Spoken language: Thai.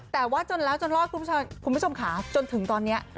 แต่ว่าจนแล้วจนรอดคุณผู้ชมขาจนถึงตอนนี้